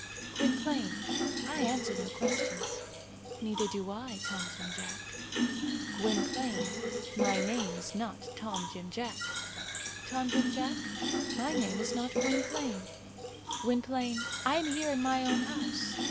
"Gwynplaine, I answer no questions." "Neither do I, Tom Jim Jack." "Gwynplaine, my name is not Tom Jim Jack." "Tom Jim Jack, my name is not Gwynplaine." "Gwynplaine, I am here in my own house."